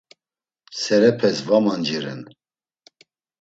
Serepes va manciren.